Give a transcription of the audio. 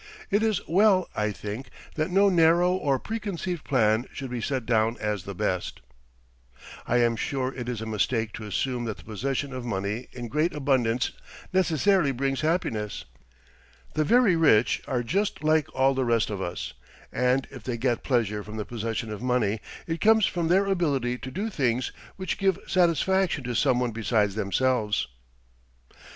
It is well, I think, that no narrow or preconceived plan should be set down as the best. I am sure it is a mistake to assume that the possession of money in great abundance necessarily brings happiness. The very rich are just like all the rest of us; and if they get pleasure from the possession of money, it comes from their ability to do things which give satisfaction to someone besides themselves.